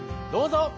どうぞ。